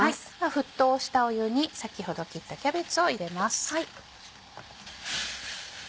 沸騰した湯に先ほど切ったキャベツを入れます。